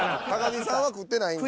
木さんは食ってないんで。